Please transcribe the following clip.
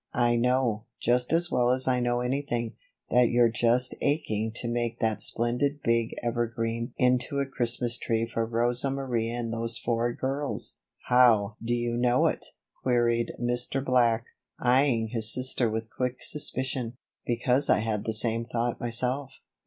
I know, just as well as I know anything, that you're just aching to make that splendid big evergreen into a Christmas tree for Rosa Marie and those four girls." "How do you know it?" queried Mr. Black, eying his sister with quick suspicion. "Because I had the same thought myself.